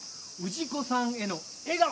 氏子さんへの笑顔！